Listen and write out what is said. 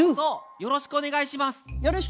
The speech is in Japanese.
よろしくお願いします。